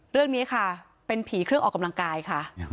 เรื่องนี้ค่ะเป็นผีเครื่องออกกำลังกายค่ะ